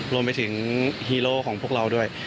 รวมไปถึงฮีโร่ของพวกเราด้วย